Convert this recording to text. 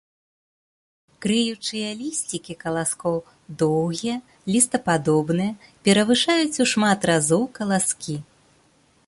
Крыючыя лісцікі каласкоў доўгія, лістападобныя, перавышаюць у шмат разоў каласкі.